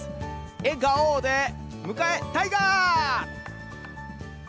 笑顔で迎えタイガー！